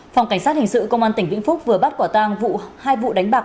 phòng cảnh sát hình sự công an tỉnh vĩnh phúc vừa bắt quả tang vụ hai vụ đánh bạc